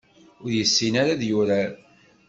Ur yessin ara ad yurar.